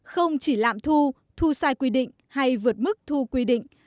không chỉ lạm thu thu sai quy định hay vượt mức thu quy định